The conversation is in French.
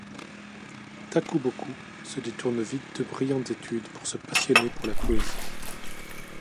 Takuboku se détourne vite de brillantes études pour se passionner pour la poésie.